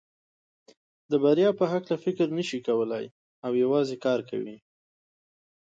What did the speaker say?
د بریا په هکله فکر نشي کولای او یوازې کار کوي.